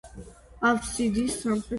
აფსიდის სამხრეთ ნაწილში პატარა ნიშია.